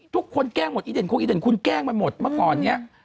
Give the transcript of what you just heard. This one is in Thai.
ทุกคนแกล้งเหมือนอีเดญ